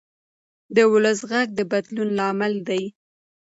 د ولس غږ د بدلون لامل دی